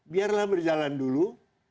biarlah berjalan dulu